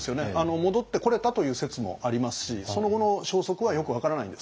戻ってこれたという説もありますしその後の消息はよく分からないんです。